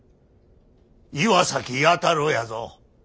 岩崎弥太郎やぞ。